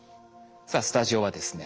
さあスタジオはですね